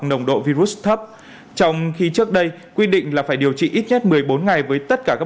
nồng độ virus thấp trong khi trước đây quy định là phải điều trị ít nhất một mươi bốn ngày với tất cả các